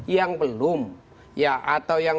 yang belum ya atau yang